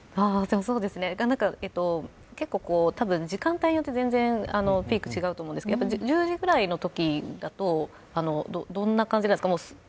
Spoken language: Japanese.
時間帯によって全然ピークが違うと思うんですけど１０時ぐらいのときだとどんな感じですか？